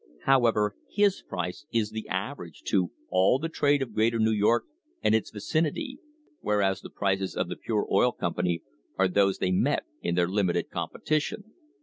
However, his price is the average to "all the trade of Greater New York and its vicinity," whereas the prices of the Pure Oil Company are those they met in their limited competition.